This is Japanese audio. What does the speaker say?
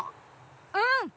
うん！